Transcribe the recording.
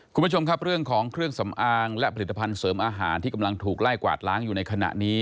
คุณผู้ชมครับเรื่องของเครื่องสำอางและผลิตภัณฑ์เสริมอาหารที่กำลังถูกไล่กวาดล้างอยู่ในขณะนี้